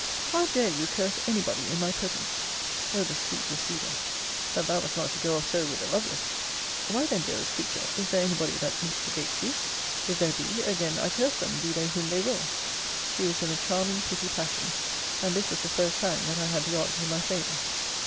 How dare you curse any body in my presence? O the sweet receder! But that was not to go off so with a Lovelace. Why then, dearest creature, is there any body that instigates you? If there be, again I curse them, be they whom they will. She was in a charming pretty passion. And this was the first time that I had the odds in my favour.